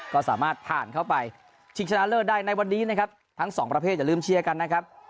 ก็สามารถผ่านเข้าไปชิงชนะเลิศได้ในวันนี้นะครับทั้งสองประเภทอย่าลืมเชียร์กันนะครับ